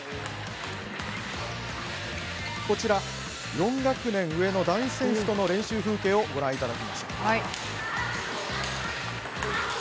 こちら、４学年上の男子選手との練習風景をご覧ください。